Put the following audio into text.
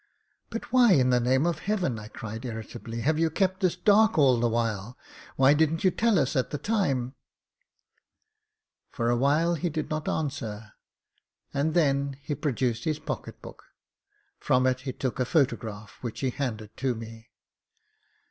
"But why in the name of Heaven," I cried, irritably, "have you kept this dark all the while? Why didn't you tell us at the time?" 46 MEN, WOMEN AND GUNS For a while he did not answer, and then he pro duced his pocket bode. From it he tock a photo graph, which he handed to me.